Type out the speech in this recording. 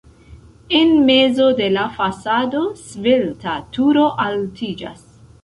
En mezo de la fasado svelta turo altiĝas.